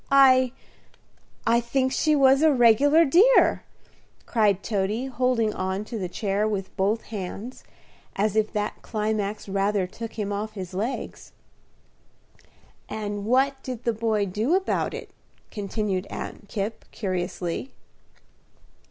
"I I think she was a regular dear," cried Toady, holding on to the chair with both hands, as if that climax rather took him off his legs. "And what did the boy do about it?" continued Aunt Kipp, curiously.